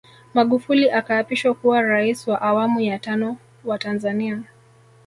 Magufuli akaapishwa kuwa Rais wa Awamuya Tano wa Tanzania